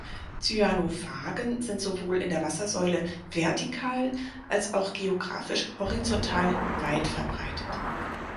Cyanophagen sind sowohl in der Wassersäule (vertikal) als auch geografisch (horizontal) weit verbreitet.